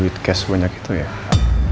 roy itu gak pernah mencari duit cash